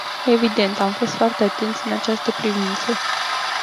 Evident, am fost foarte atenți în această privință.